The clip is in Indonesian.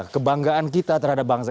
kebanggaan kita terhadap bangsa